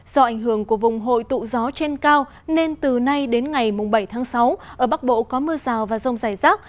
do ảnh hưởng của vùng hội tụ gió trên cao nên từ nay đến ngày bảy tháng sáu ở bắc bộ có mưa rào và rông dài rác